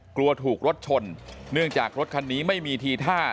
กลัวถูกรถชนเนื่องจากรถคันนี้ไม่มีทีท่า